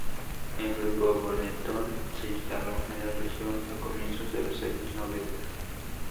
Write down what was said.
El Grupo Benetton se instaló en la región a comienzos de los años noventa.